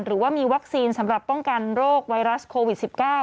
หรือว่ามีวัคซีนสำหรับป้องกันโรคไวรัสโควิด๑๙